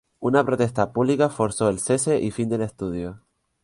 Una protesta pública forzó el cese y fin del estudio.